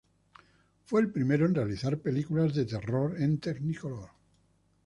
Fue el primero en realizar películas de terror en Technicolor.